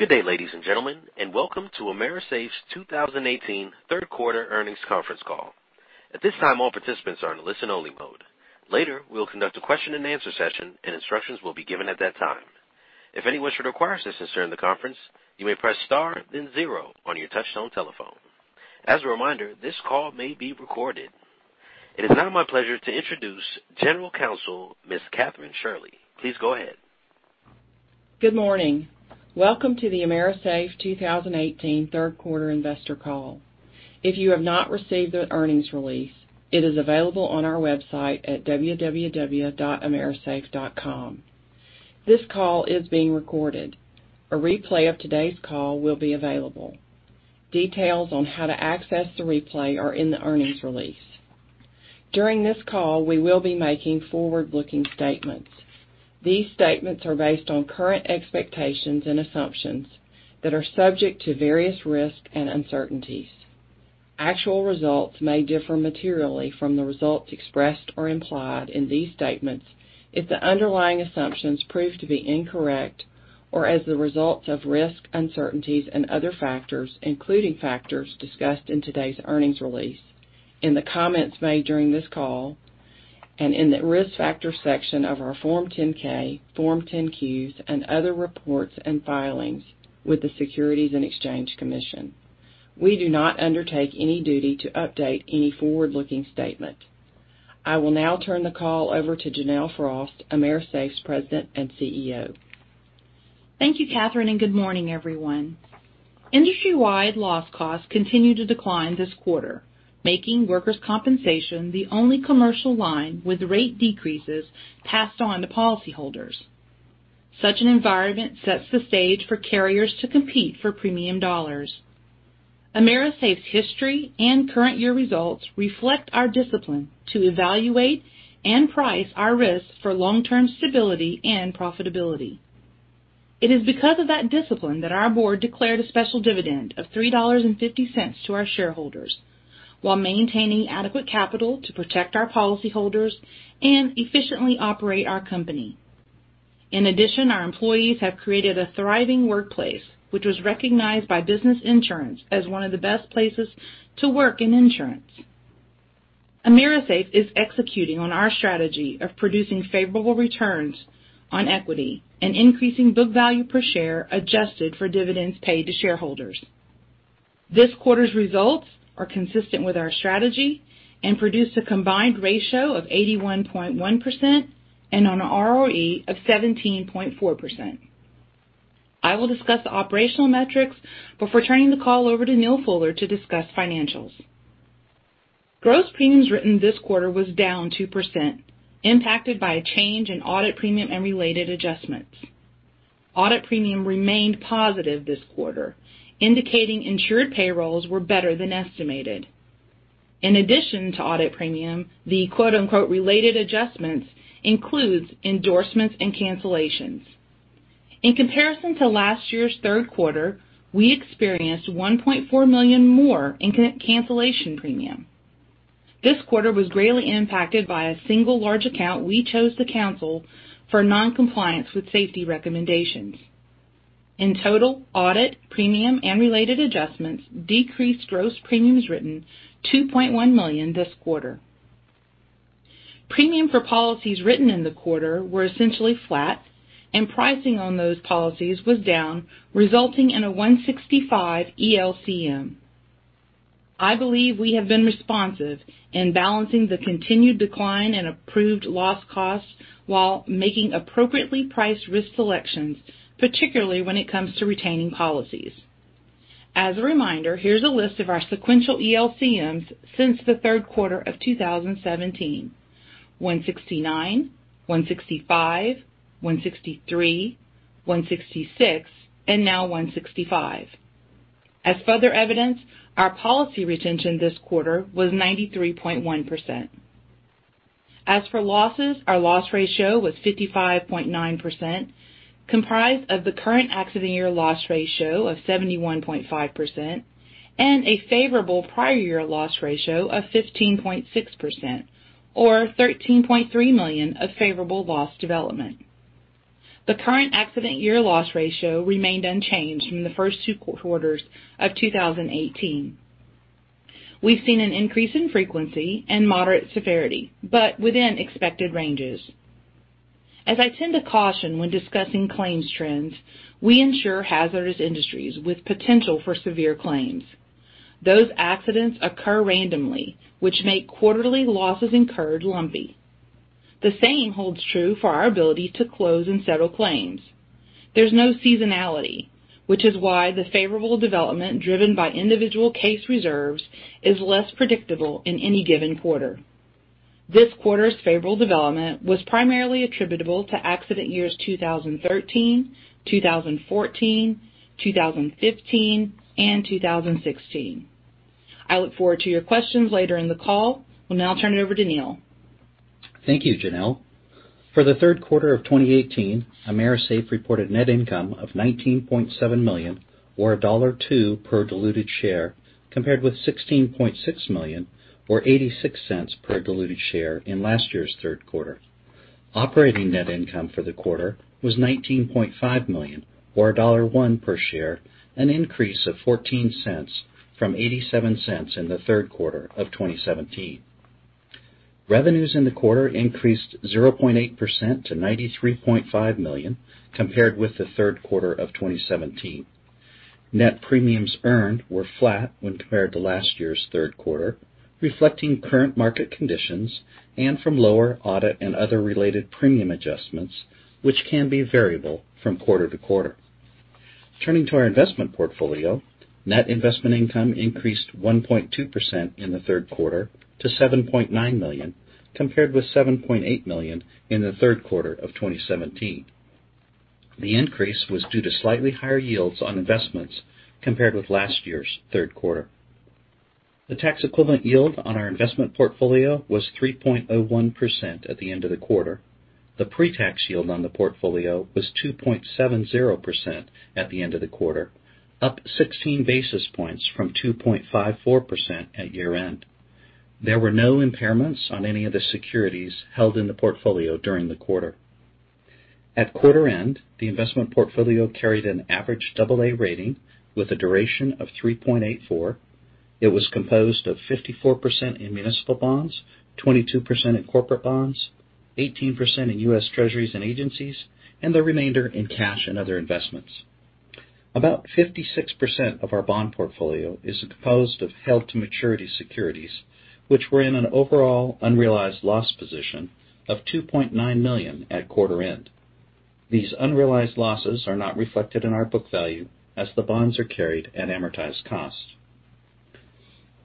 Good day, ladies and gentlemen, and welcome to AMERISAFE's 2018 third quarter earnings conference call. At this time, all participants are in listen only mode. Later, we'll conduct a question and answer session, and instructions will be given at that time. If anyone should require assistance during the conference, you may press star then zero on your touchtone telephone. As a reminder, this call may be recorded. It is now my pleasure to introduce General Counsel, Ms. Kathryn Shirley. Please go ahead. Good morning. Welcome to the AMERISAFE 2018 third quarter investor call. If you have not received an earnings release, it is available on our website at www.amerisafe.com. This call is being recorded. A replay of today's call will be available. Details on how to access the replay are in the earnings release. During this call, we will be making forward-looking statements. These statements are based on current expectations and assumptions that are subject to various risks and uncertainties. Actual results may differ materially from the results expressed or implied in these statements if the underlying assumptions prove to be incorrect or as the results of risks, uncertainties, and other factors, including factors discussed in today's earnings release, in the comments made during this call, and in the Risk Factors section of our Form 10-K, Form 10-Qs, and other reports and filings with the Securities and Exchange Commission. We do not undertake any duty to update any forward-looking statement. I will now turn the call over to Janelle Frost, AMERISAFE's President and CEO. Thank you, Kathryn, good morning, everyone. Industry-wide loss costs continued to decline this quarter, making workers' compensation the only commercial line with rate decreases passed on to policyholders. Such an environment sets the stage for carriers to compete for premium dollars. AMERISAFE's history and current year results reflect our discipline to evaluate and price our risks for long-term stability and profitability. It is because of that discipline that our board declared a special dividend of $3.50 to our shareholders while maintaining adequate capital to protect our policyholders and efficiently operate our company. In addition, our employees have created a thriving workplace, which was recognized by Business Insurance as one of the best places to work in insurance. AMERISAFE is executing on our strategy of producing favorable returns on equity and increasing book value per share adjusted for dividends paid to shareholders. This quarter's results are consistent with our strategy and produced a combined ratio of 81.1% and on a ROE of 17.4%. I will discuss the operational metrics before turning the call over to Neal Fuller to discuss financials. Gross premiums written this quarter was down 2%, impacted by a change in audit premium and related adjustments. Audit premium remained positive this quarter, indicating insured payrolls were better than estimated. In addition to audit premium, the "related adjustments" includes endorsements and cancellations. In comparison to last year's third quarter, we experienced $1.4 million more in cancellation premium. This quarter was greatly impacted by a single large account we chose to cancel for non-compliance with safety recommendations. In total, audit premium and related adjustments decreased gross premiums written $2.1 million this quarter. Premium for policies written in the quarter were essentially flat, and pricing on those policies was down, resulting in a 165 ELCM. I believe we have been responsive in balancing the continued decline in approved loss costs while making appropriately priced risk selections, particularly when it comes to retaining policies. As a reminder, here's a list of our sequential ELCMs since the third quarter of 2017. 169, 165, 163, 166, and now 165. As further evidence, our policy retention this quarter was 93.1%. As for losses, our loss ratio was 55.9%, comprised of the current accident year loss ratio of 71.5%, and a favorable prior year loss ratio of 15.6%, or $13.3 million of favorable loss development. The current accident year loss ratio remained unchanged from the first two quarters of 2018. We've seen an increase in frequency and moderate severity, but within expected ranges. As I tend to caution when discussing claims trends, we insure hazardous industries with potential for severe claims. Those accidents occur randomly, which make quarterly losses incurred lumpy. The same holds true for our ability to close and settle claims. There's no seasonality, which is why the favorable development driven by individual case reserves is less predictable in any given quarter. This quarter's favorable development was primarily attributable to accident years 2013, 2014, 2015, and 2016. I look forward to your questions later in the call. Will now turn it over to Neal. Thank you, Janelle. For the third quarter of 2018, AMERISAFE reported net income of $19.7 million or $1.02 per diluted share, compared with $16.6 million or $0.86 per diluted share in last year's third quarter. Operating net income for the quarter was $19.5 million, or $1 per share, an increase of $0.14 from $0.87 in the third quarter of 2017. Revenues in the quarter increased 0.8% to $93.5 million compared with the third quarter of 2017. Net premiums earned were flat when compared to last year's third quarter, reflecting current market conditions and from lower audit and other related premium adjustments, which can be variable from quarter to quarter. Turning to our investment portfolio, net investment income increased 1.2% in the third quarter to $7.9 million, compared with $7.8 million in the third quarter of 2017. The increase was due to slightly higher yields on investments compared with last year's third quarter. The tax equivalent yield on our investment portfolio was 3.01% at the end of the quarter. The pretax yield on the portfolio was 2.70% at the end of the quarter, up 16 basis points from 2.54% at year-end. There were no impairments on any of the securities held in the portfolio during the quarter. At quarter end, the investment portfolio carried an average AA rating with a duration of 3.84. It was composed of 54% in municipal bonds, 22% in corporate bonds, 18% in US Treasuries and agencies, and the remainder in cash and other investments. About 56% of our bond portfolio is composed of held-to-maturity securities, which were in an overall unrealized loss position of $2.9 million at quarter end. These unrealized losses are not reflected in our book value as the bonds are carried at amortized cost.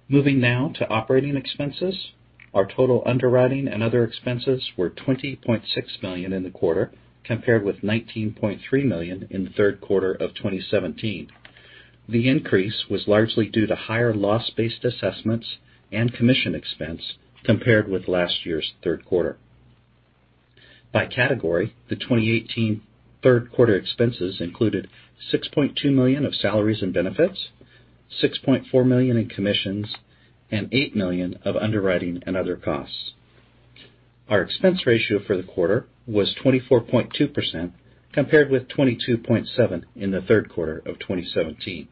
Moving now to operating expenses. Our total underwriting and other expenses were $20.6 million in the quarter, compared with $19.3 million in the third quarter of 2017. The increase was largely due to higher loss-based assessments and commission expense compared with last year's third quarter. By category, the 2018 third quarter expenses included $6.2 million of salaries and benefits, $6.4 million in commissions, and $8 million of underwriting and other costs. Our expense ratio for the quarter was 24.2%, compared with 22.7% in the third quarter of 2017.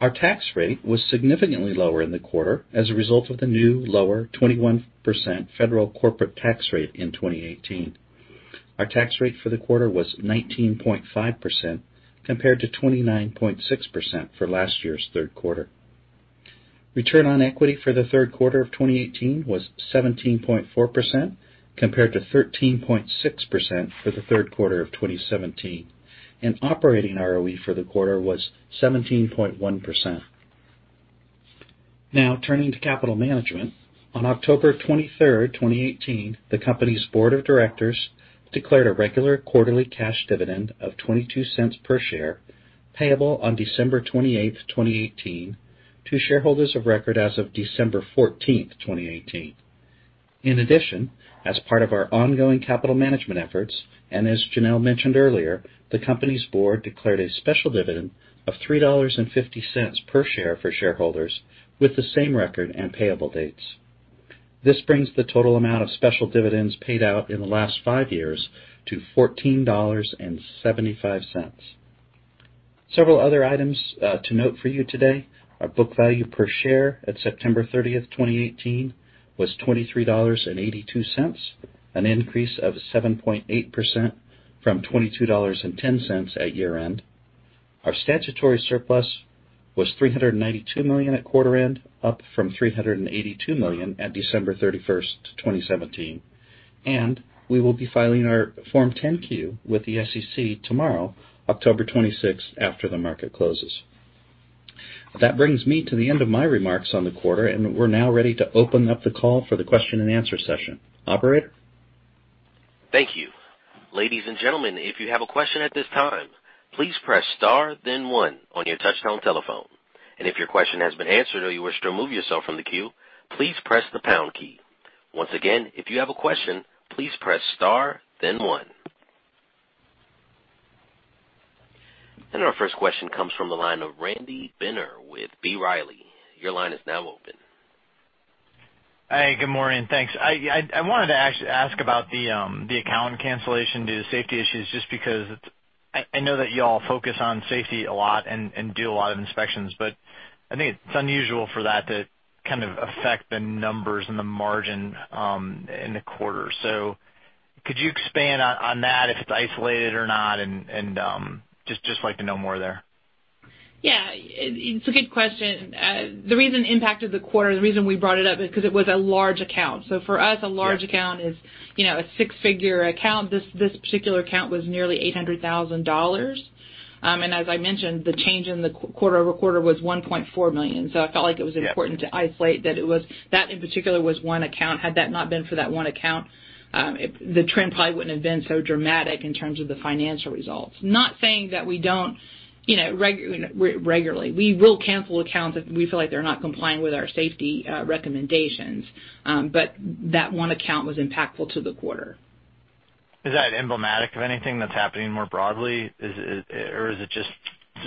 Our tax rate was significantly lower in the quarter as a result of the new lower 21% federal corporate tax rate in 2018. Our tax rate for the quarter was 19.5% compared to 29.6% for last year's third quarter. Return on equity for the third quarter of 2018 was 17.4%, compared to 13.6% for the third quarter of 2017, and operating ROE for the quarter was 17.1%. Now turning to capital management. On October 23rd, 2018, the company's board of directors declared a regular quarterly cash dividend of $0.22 per share payable on December 28th, 2018, to shareholders of record as of December 14th, 2018. In addition, as part of our ongoing capital management efforts, and as Janelle mentioned earlier, the company's board declared a special dividend of $3.50 per share for shareholders with the same record and payable dates. This brings the total amount of special dividends paid out in the last five years to $14.75. Several other items to note for you today. Our book value per share at September 30th, 2018, was $23.82, an increase of 7.8% from $22.10 at year-end. Our statutory surplus was $392 million at quarter end, up from $382 million at December 31st, 2017. We will be filing our Form 10-Q with the SEC tomorrow, October 26th, after the market closes. That brings me to the end of my remarks on the quarter, and we're now ready to open up the call for the question and answer session. Operator? Thank you. Ladies and gentlemen, if you have a question at this time, please press star then one on your touchtone telephone. If your question has been answered or you wish to remove yourself from the queue, please press the pound key. Once again, if you have a question, please press star then one. Our first question comes from the line of Randy Binner with B. Riley. Your line is now open. Hey, good morning. Thanks. I wanted to ask about the account cancellation due to safety issues, just because I know that you all focus on safety a lot and do a lot of inspections, but I think it's unusual for that to kind of affect the numbers and the margin in the quarter. Could you expand on that, if it's isolated or not and just like to know more there. Yeah, it's a good question. The reason it impacted the quarter, the reason we brought it up is because it was a large account. For us, a large account is a six-figure account. This particular account was nearly $800,000. As I mentioned, the change in the quarter-over-quarter was $1.4 million. I felt like it was important to isolate that in particular was one account. Had that not been for that one account, the trend probably wouldn't have been so dramatic in terms of the financial results. Not saying that we don't regularly. We will cancel accounts if we feel like they're not complying with our safety recommendations. That one account was impactful to the quarter. Is that emblematic of anything that's happening more broadly? Is it just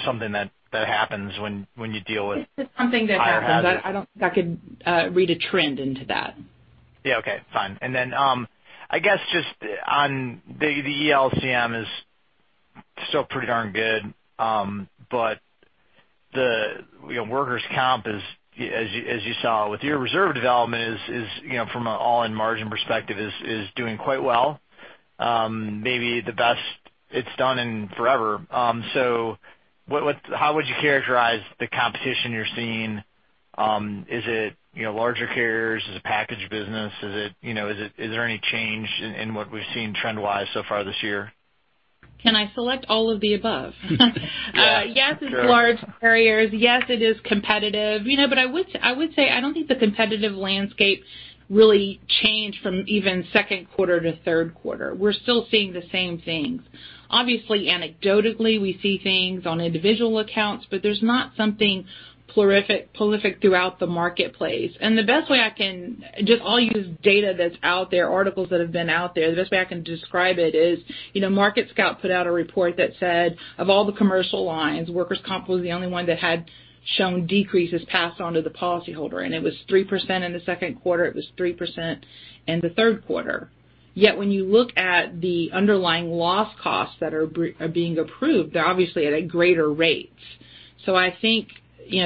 something that happens when you deal with? It's just something that happens higher hazard? I don't think I could read a trend into that. Yeah. Okay, fine. I guess just on the ELCM is still pretty darn good. The workers' comp, as you saw with your reserve development, from an all-in margin perspective, is doing quite well, maybe the best it's done in forever. How would you characterize the competition you're seeing? Is it larger carriers? Is it package business? Is there any change in what we've seen trend-wise so far this year? Can I select all of the above? Yes. Yes, it's large carriers. Yes, it is competitive. I would say, I don't think the competitive landscape really changed from even second quarter to third quarter. We're still seeing the same things. Obviously, anecdotally, we see things on individual accounts, but there's not something prolific throughout the marketplace. I'll use data that's out there, articles that have been out there. The best way I can describe it is, MarketScout put out a report that said, of all the commercial lines, workers' comp was the only one that had shown decreases passed on to the policyholder, and it was 3% in the second quarter, it was 3% in the third quarter. Yet when you look at the underlying loss costs that are being approved, they're obviously at greater rates. I think,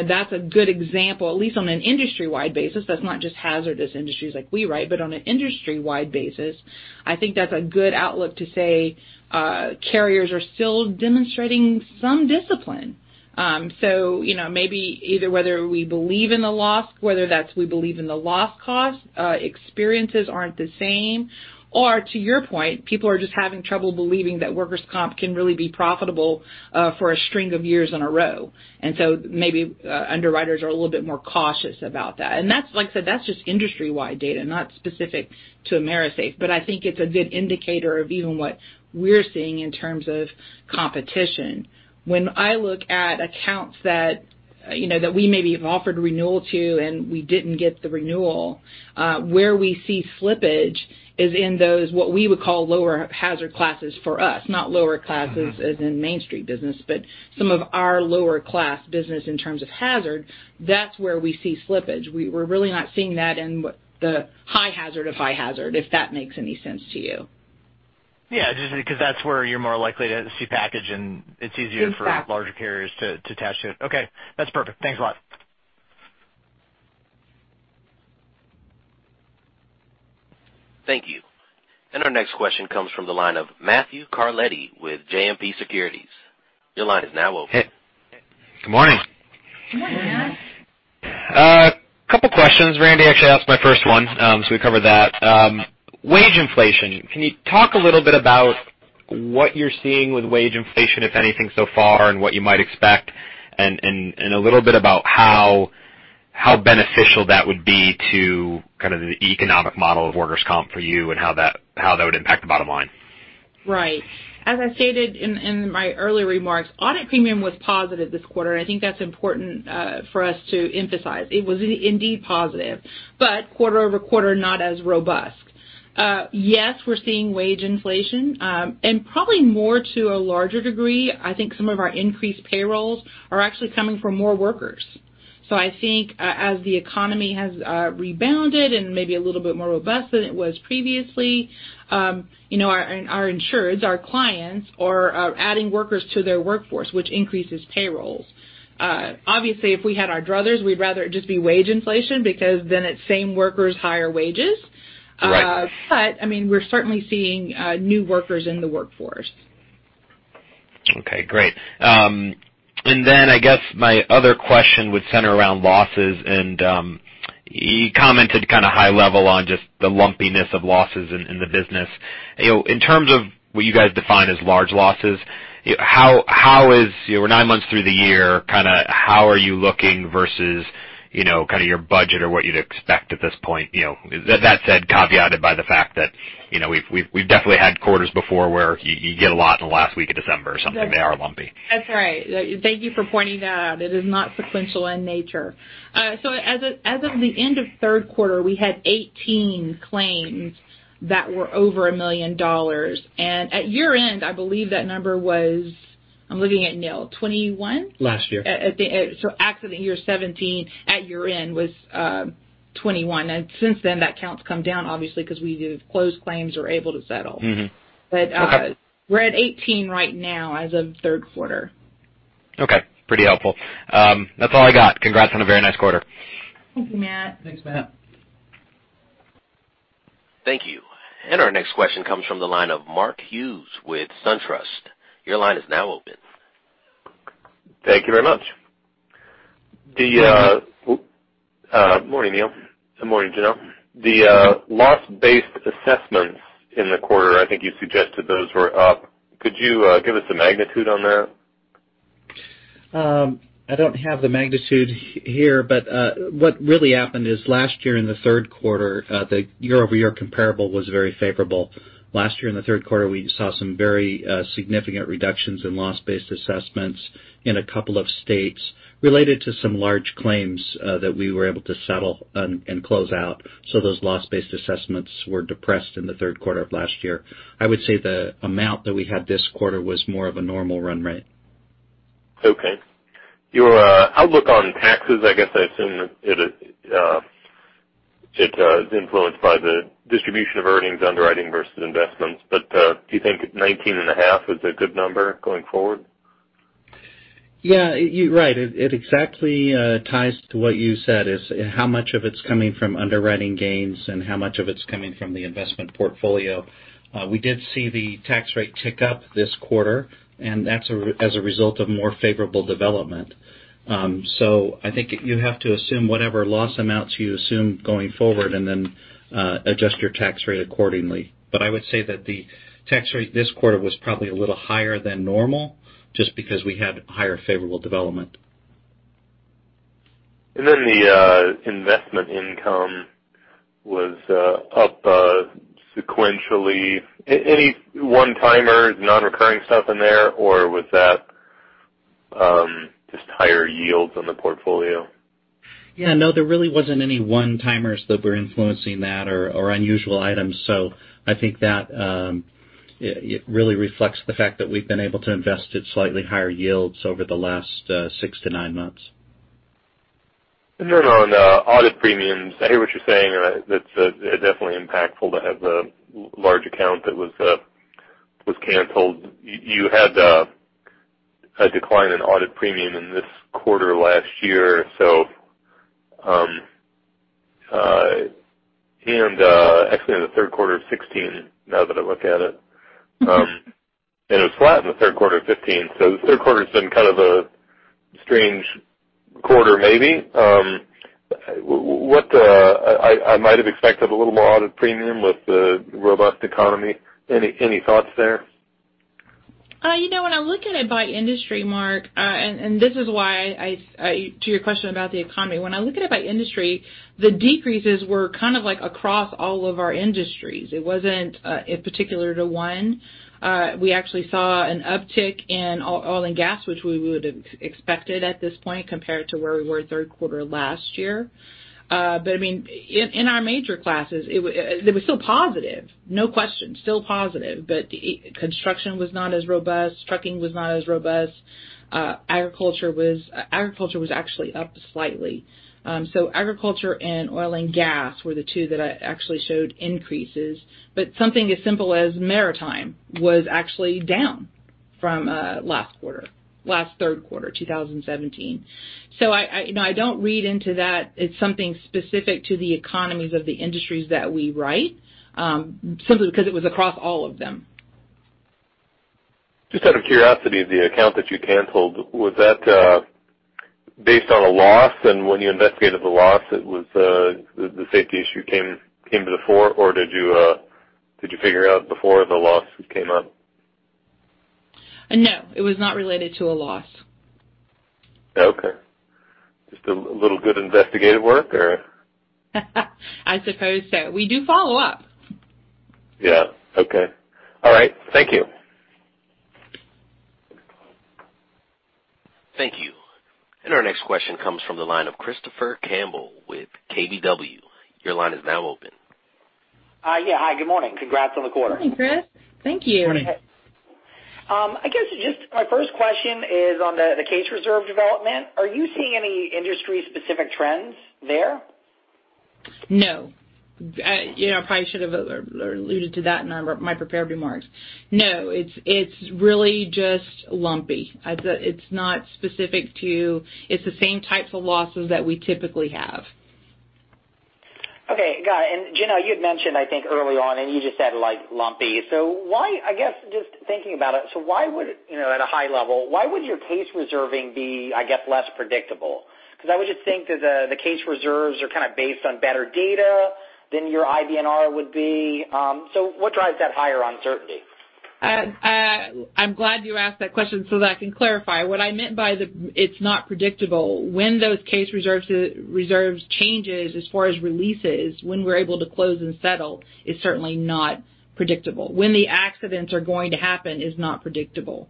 that's a good example, at least on an industry-wide basis, that's not just hazardous industries like we write. On an industry-wide basis, I think that's a good outlook to say carriers are still demonstrating some discipline. Maybe either whether we believe in the loss, whether that's we believe in the loss cost, experiences aren't the same, or to your point, people are just having trouble believing that workers' comp can really be profitable for a string of years in a row. Maybe underwriters are a little bit more cautious about that. That's just industry-wide data, not specific to AMERISAFE, but I think it's a good indicator of even what we're seeing in terms of competition. When I look at accounts that we maybe have offered renewal to and we didn't get the renewal, where we see slippage is in those, what we would call lower hazard classes for us, not lower classes as in Main Street business, but some of our lower-class business in terms of hazard. That's where we see slippage. We're really not seeing that in the high hazard of high hazard, if that makes any sense to you. Yeah, because that's where you're more likely to see package, and it's easier Exactly for larger carriers to attach to it. Okay. That's perfect. Thanks a lot. Thank you. Our next question comes from the line of Matthew Carletti with JMP Securities. Your line is now open. Hey. Good morning. Good morning, Matt. A couple questions. Randy actually asked my first one, we covered that. Wage inflation, can you talk a little bit about what you're seeing with wage inflation, if anything, so far and what you might expect, and a little bit about how beneficial that would be to kind of the economic model of workers' comp for you and how that would impact the bottom line? Right. As I stated in my earlier remarks, audit premium was positive this quarter, and I think that's important for us to emphasize. It was indeed positive, but quarter-over-quarter, not as robust. Yes, we're seeing wage inflation. Probably more to a larger degree, I think some of our increased payrolls are actually coming from more workers. I think as the economy has rebounded and may be a little bit more robust than it was previously, our insureds, our clients, are adding workers to their workforce, which increases payrolls. Obviously, if we had our druthers, we'd rather it just be wage inflation because then it's same workers, higher wages. Right. We're certainly seeing new workers in the workforce. Okay, great. I guess my other question would center around losses, and you commented kind of high level on just the lumpiness of losses in the business. In terms of what you guys define as large losses, we're nine months through the year, how are you looking versus your budget or what you'd expect at this point? That said, caveated by the fact that we've definitely had quarters before where you get a lot in the last week of December or something. They are lumpy. That's right. Thank you for pointing that out. It is not sequential in nature. As of the end of third quarter, we had 18 claims that were over $1 million. At year-end, I believe that number was, I'm looking at Neal, 21? Last year. Accident year 2017 at year-end was 21. Since then, that count's come down, obviously, because we either closed claims or able to settle. Okay. We're at 18 right now as of third quarter. Okay. Pretty helpful. That's all I got. Congrats on a very nice quarter. Thank you, Matt. Thanks, Matt. Thank you. Our next question comes from the line of Mark Hughes with SunTrust. Your line is now open. Thank you very much. Morning, Neal. Morning, Janelle. The loss-based assessments in the quarter, I think you suggested those were up. Could you give us a magnitude on that? I don't have the magnitude here. What really happened is last year in the third quarter, the year-over-year comparable was very favorable. Last year in the third quarter, we saw some very significant reductions in loss-based assessments in a couple of states related to some large claims that we were able to settle and close out. Those loss-based assessments were depressed in the third quarter of last year. I would say the amount that we had this quarter was more of a normal run rate. Okay. Your outlook on taxes, I guess I assume it is influenced by the distribution of earnings underwriting versus investments. Do you think 19.5% is a good number going forward? Yeah, you're right. It exactly ties to what you said, is how much of it's coming from underwriting gains and how much of it's coming from the investment portfolio. We did see the tax rate tick up this quarter, that's as a result of more favorable development. I think you have to assume whatever loss amounts you assume going forward and then adjust your tax rate accordingly. I would say that the tax rate this quarter was probably a little higher than normal just because we had higher favorable development. The investment income was up sequentially. Any one-timers, non-recurring stuff in there? Was that just higher yields on the portfolio? Yeah, no, there really wasn't any one-timers that were influencing that or unusual items. I think that it really reflects the fact that we've been able to invest at slightly higher yields over the last six to nine months. On audit premiums, I hear what you're saying. That's definitely impactful to have a large account that was canceled. You had a decline in audit premium in this quarter last year, and actually in the third quarter of 2016, now that I look at it. It was flat in the third quarter of 2015. The third quarter's been kind of a strange quarter maybe. I might have expected a little more audit premium with the robust economy. Any thoughts there? When I look at it by industry, Mark, this is why, to your question about the economy. When I look at it by industry, the decreases were kind of across all of our industries. It wasn't in particular to one. We actually saw an uptick in oil and gas, which we would've expected at this point compared to where we were third quarter last year. In our major classes, they were still positive. No question, still positive. Construction was not as robust. Trucking was not as robust. Agriculture was actually up slightly. Agriculture and oil and gas were the two that actually showed increases. Something as simple as maritime was actually down from last third quarter 2017. I don't read into that as something specific to the economies of the industries that we write, simply because it was across all of them. Just out of curiosity, the account that you canceled, was that based on a loss, and when you investigated the loss, the safety issue came to the fore, or did you figure out before the loss came up? No, it was not related to a loss. Okay. Just a little good investigative work or? I suppose so. We do follow up. Yeah. Okay. All right. Thank you. Thank you. Our next question comes from the line of Christopher Campbell with KBW. Your line is now open. Yeah. Hi, good morning. Congrats on the quarter. Good morning, Chris. Thank you. Morning. I guess just my first question is on the case reserve development. Are you seeing any industry-specific trends there? No. I probably should've alluded to that in my prepared remarks. It's really just lumpy. It's the same types of losses that we typically have. Okay, got it. Janelle, you had mentioned, I think, early on, and you just said lumpy. I guess just thinking about it, at a high level, why would your case reserving be less predictable? Because I would just think that the case reserves are kind of based on better data than your IBNR would be. What drives that higher uncertainty? I'm glad you asked that question so that I can clarify. What I meant by the it's not predictable, when those case reserves changes as far as releases, when we're able to close and settle, is certainly not predictable. When the accidents are going to happen is not predictable.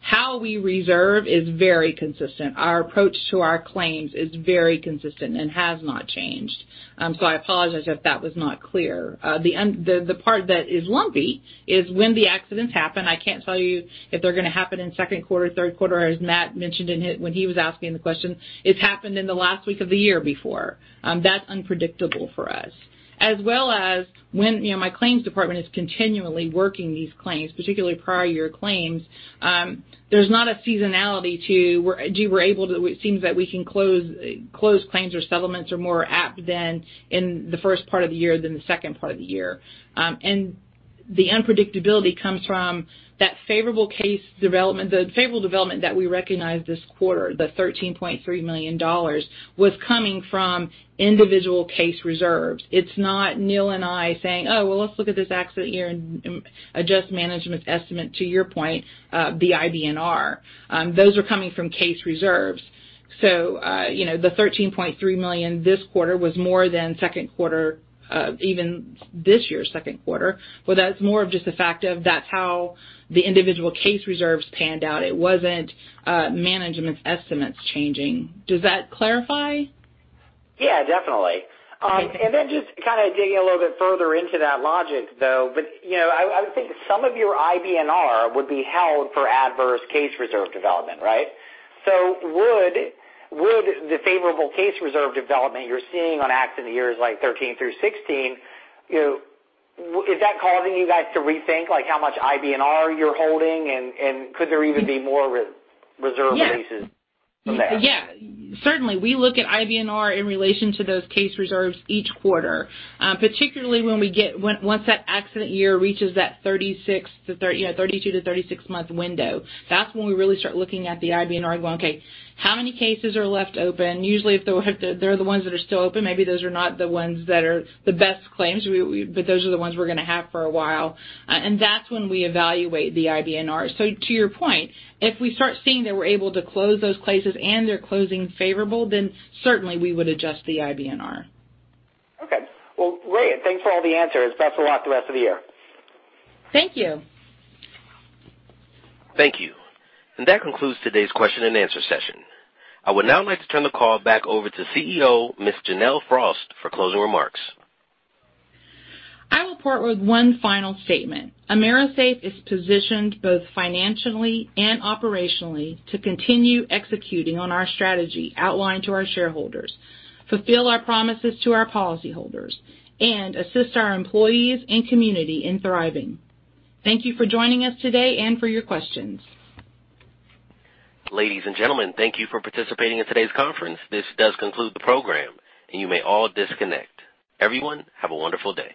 How we reserve is very consistent. Our approach to our claims is very consistent and has not changed. I apologize if that was not clear. The part that is lumpy is when the accidents happen. I can't tell you if they're going to happen in second quarter, third quarter. As Matt mentioned when he was asking the question, it's happened in the last week of the year before. That's unpredictable for us. As well as when my claims department is continually working these claims, particularly prior year claims, there's not a seasonality to it seems that we can close claims or settlements are more apt in the first part of the year than the second part of the year. The unpredictability comes from that favorable case development. The favorable development that we recognized this quarter, the $13.3 million, was coming from individual case reserves. It's not Neal and I saying, "Oh, well, let's look at this accident here and adjust management's estimate to your point, the IBNR." Those are coming from case reserves. The $13.3 million this quarter was more than even this year's second quarter. Well, that's more of just the fact of that's how the individual case reserves panned out. It wasn't management's estimates changing. Does that clarify? Yeah, definitely. Okay. Then just kind of digging a little bit further into that logic, though. I would think some of your IBNR would be held for adverse case reserve development, right? Would the favorable case reserve development you're seeing on accident years like 2013 through 2016, is that causing you guys to rethink how much IBNR you're holding? Could there even be more reserve releases- Yeah from that? Yeah. Certainly, we look at IBNR in relation to those case reserves each quarter. Particularly once that accident year reaches that 32 to 36 month window. That's when we really start looking at the IBNR and going, okay, how many cases are left open? Usually, if they're the ones that are still open, maybe those are not the ones that are the best claims, but those are the ones we're going to have for a while. That's when we evaluate the IBNR. To your point, if we start seeing that we're able to close those cases and they're closing favorable, then certainly we would adjust the IBNR. Okay. Well, great. Thanks for all the answers. Best of luck the rest of the year. Thank you. Thank you. That concludes today's question and answer session. I would now like to turn the call back over to CEO, Ms. Janelle Frost, for closing remarks. I will part with one final statement. AMERISAFE is positioned both financially and operationally to continue executing on our strategy outlined to our shareholders, fulfill our promises to our policyholders, and assist our employees and community in thriving. Thank you for joining us today and for your questions. Ladies and gentlemen, thank you for participating in today's conference. This does conclude the program. You may all disconnect. Everyone, have a wonderful day.